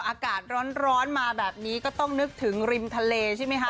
อากาศร้อนมาแบบนี้ก็ต้องนึกถึงริมทะเลใช่ไหมคะ